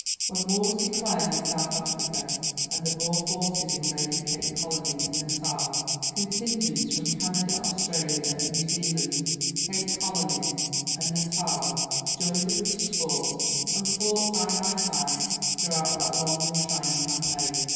..." When war was declared in South Africa and the Boer forces invaded Cape Colony and Natal, contingents from Canada, Australia, New Zealand, Cape Colony, and Natal joined the British force and fought side by side throughout that long and trying campaign.